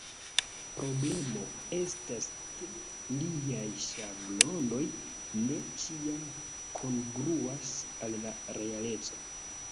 Problemo estas ke liaj ŝablonoj ne ĉiam kongruas al la realeco.